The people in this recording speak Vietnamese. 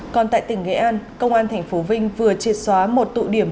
còn tại tỉnh nghệ an công an tp vinh vừa triệt xóa một tụ điểm